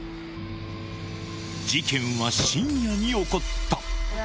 事件は深夜に起こった。